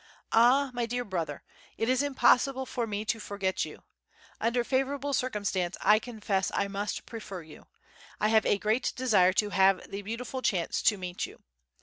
Ah My Dear Brother, it is impossible for me to forget you. under favorable circumstance I confess I must prefer you. I have a grate desire to have the beautifull chance to meet you.